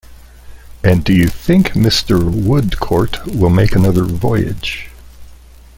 And do you think Mr. Woodcourt will make another voyage?